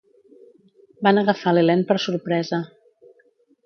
Van agafar l"Helene per sorpresa.